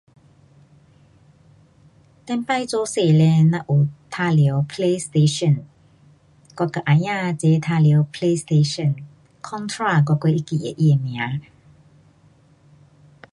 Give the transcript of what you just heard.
上次做小嘞，咱有玩耍 play station, 我跟啊哥齐玩耍 play station. CONTRA 我还会记得它的名。